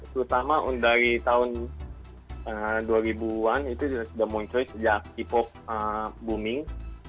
terutama dari tahun dua ribu an itu sudah muncul sejak hipok booming